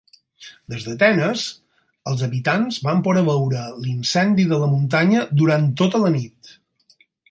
Des d'Atenes, els habitants van poder veure l'incendi de la muntanya durant tota la nit.